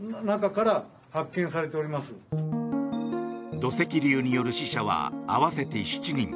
土石流による死者は合わせて７人。